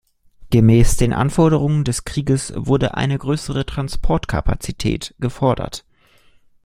Gemäß den Anforderungen des Krieges wurde eine größere Transportkapazität gefordert.